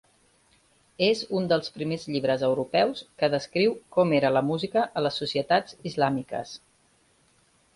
És un dels primers llibres europeus que descriu com era la música a les societats islàmiques.